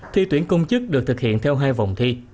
thi tuyển công chức được thực hiện theo hai vòng thi